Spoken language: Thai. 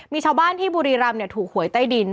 มีชาวบ้านที่บุรีรำถูกหวยใต้ดิน